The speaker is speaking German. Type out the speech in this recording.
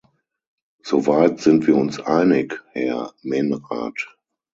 So weit sind wir uns einig, Herr Menrad.